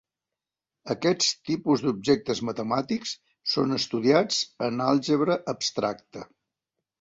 Aquests tipus d'objectes matemàtics són estudiats en àlgebra abstracta.